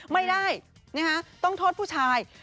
ไม่ได้ต้องโทษผู้ชาย